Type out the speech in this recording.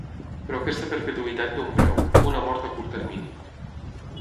Però aquesta perpetuïtat té un preu: una mort a curt termini.